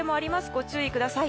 ご注意ください。